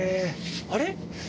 あれ？